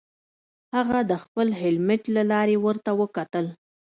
هغه د خپل هیلمټ له لارې ورته وکتل